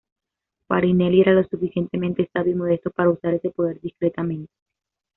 Farinelli era lo suficientemente sabio y modesto para usar ese poder discretamente.